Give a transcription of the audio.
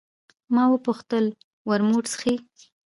ما وپوښتل: ورموت څښې؟